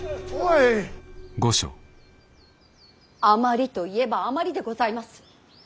あまりといえばあまりでございます。